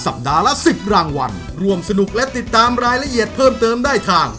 ปัดละ๑๐รางวัลร่วมสนุกและติดตามรายละเอียดเพิ่มเติมได้ทาง